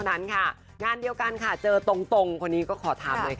นะคะเมื่อวานเจอก้อยก็ถามก้อยบอก